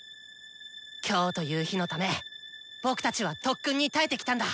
今日という日のため僕たちは特訓に耐えてきたんだ！